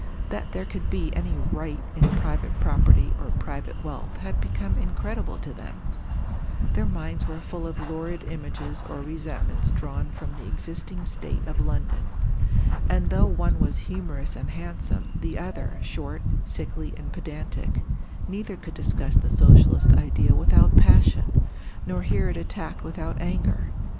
That there could be any "right" in private property or private wealth had become incredible to them; their minds were full of lurid images or resentments drawn from the existing state of London; and though one was humorous and handsome, the other, short, sickly, and pedantic, neither could discuss the Socialist ideal without passion, nor hear it attacked without anger.